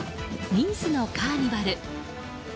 ニースのカーニバル。